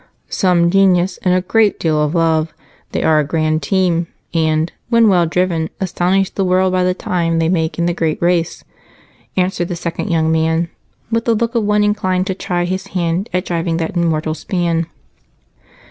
"Some genius and a great deal of love. They are a grand team, and, when well driven, astonish the world by the time they make in the great race," answered the second young man with the look of one inclined to try his hand at driving that immortal span.